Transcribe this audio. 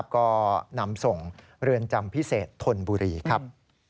ก็นำส่งเรือนจำพิเศษธนบุรีครับ